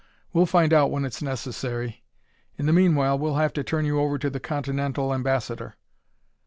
We'll find out when it's necessary. In the meanwhile we'll have to turn you over to the Continental Ambassador."